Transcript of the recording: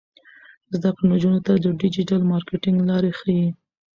زده کړه نجونو ته د ډیجیټل مارکیټینګ لارې ښيي.